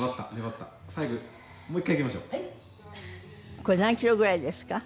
これ何キロぐらいですか？